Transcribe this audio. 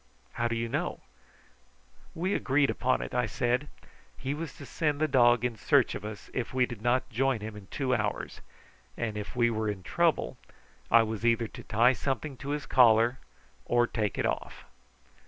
"How do you know?" "We agreed upon it," I said. "He was to send the dog in search of us if we did not join him in two hours; and if we were in trouble I was either to tie something to his collar or take it off."